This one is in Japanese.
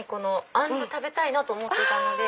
アンズ食べたいと思ってたので。